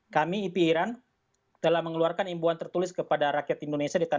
kami ipi iran telah mengeluarkan imbauan tertulis kepada rakyat indonesia di tanah air